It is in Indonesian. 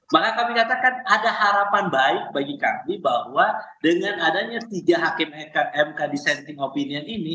maka kami katakan ada harapan baik bagi kami bahwa dengan adanya tiga hakim mk mk dissenting opinion ini